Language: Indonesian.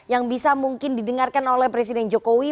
yang bisa mungkin didengarkan oleh presiden jokowi